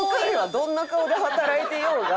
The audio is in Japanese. どんな顔で働いていようが。